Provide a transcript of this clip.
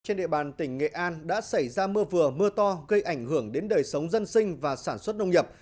trên địa bàn tỉnh nghệ an đã xảy ra mưa vừa mưa to gây ảnh hưởng đến đời sống dân sinh và sản xuất nông nghiệp